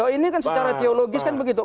ini kan secara teologis kan begitu